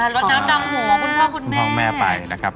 อ๋อลดน้ำดำหัวของคุณพ่อคุณแม่นะครับคุณพ่อคุณแม่